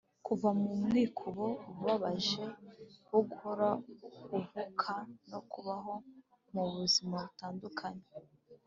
kuva mu mwikubo ubabaje wo guhora uvuka no kubaho mu buzima butandukanye.